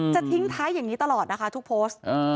จะทิ้งท้ายอย่างนี้ตลอดนะคะทุกโพสต์